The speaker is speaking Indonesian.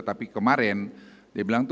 tapi kemarin dia bilang